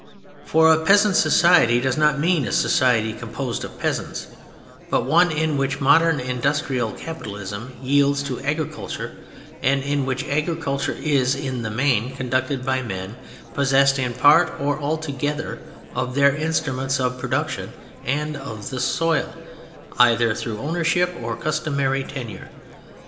For a peasant society does not mean a society composed of peasants, but one in which modern Industrial Capitalism yields to agriculture, and in which agriculture is, in the main, conducted by men possessed in part or altogether of their instruments of production and of the soil, either through ownership or customary tenure.